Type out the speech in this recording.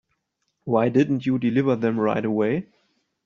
Why didn't you deliver them right away?